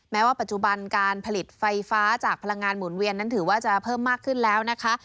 แม้ว่าปัจจุบันการผลิตไฟฟ้าจากพลังงานหมุนเวียนนั้นถือว่าจะเพิ่มมากขึ้นแล้วนะคะ